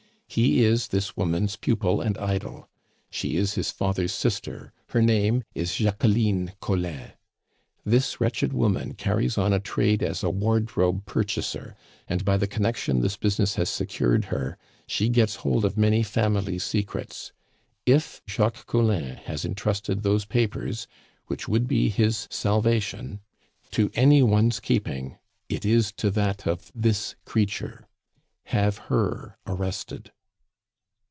He is this woman's pupil and idol; she is his father's sister, her name is Jacqueline Collin. This wretched woman carries on a trade as a wardrobe purchaser, and by the connection this business has secured her she gets hold of many family secrets. If Jacques Collin has intrusted those papers, which would be his salvation, to any one's keeping, it is to that of this creature. Have her arrested."